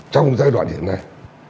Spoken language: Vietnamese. trong giai đoạn hiện nay